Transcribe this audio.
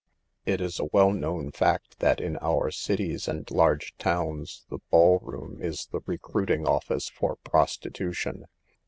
It is a well known fact that in our cities and large towns the ball room is the recruiting orifice for prostitution.